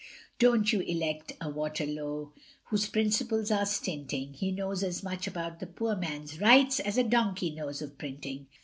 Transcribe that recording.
Don't you elect a Waterlow, Whose principles are stinting, He knows as much about the poor man's rights As a donkey knows of printing.